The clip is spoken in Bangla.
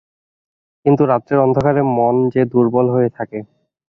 কিন্তু রাত্রের অন্ধকারে মন যে দুর্বল হয়ে থাকে।